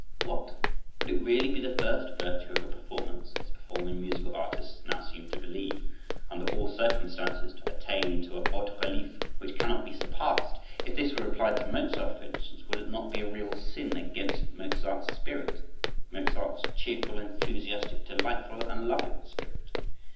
What? would it really be the first virtue of a performance (as performing musical artists now seem to believe), under all circumstances to attain to a haut relief which cannot be surpassed? If this were applied to Mozart, for instance, would it not be a real sin against Mozart's spirit,—Mozart's cheerful, enthusiastic, delightful and loving spirit?